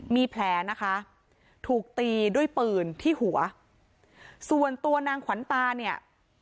มีแผลนะคะถูกตีด้วยปืนที่หัวส่วนตัวนางขวัญตาเนี่ย